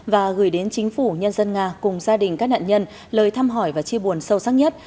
và gửi đến chính phủ nhân dân nga cùng gia đình các nạn nhân lời thăm hỏi và chia buồn sâu sắc nhất